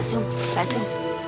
pak sung pak sung